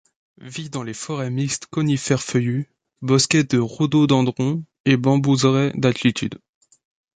Vit dans les forêts mixtes conifères-feuillus, bosquets de rhododendrons et bambouseraies d'altitude.